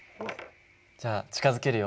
じゃあ近づけるよ。